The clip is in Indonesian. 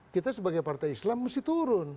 kita sebagai partai islam mesti turun